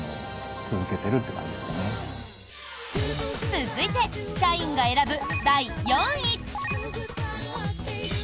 続いて社員が選ぶ第４位。